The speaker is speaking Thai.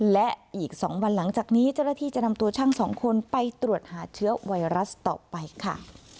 และอีก๒วันหลังจากนี้เจ้าหน้าที่จะนำตัวช่าง๒คนไปตรวจหาเชื้อไวรัสต่อไปค่ะ